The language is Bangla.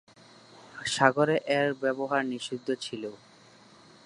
সাগরে এর ব্যবহার নিষিদ্ধ ছিল।